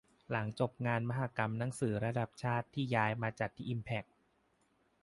หลังจบงานมหกรรมหนังสือระดับชาติ ที่ย้ายมาจัดที่อิมแพ็ค